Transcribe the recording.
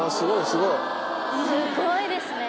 すごいですね。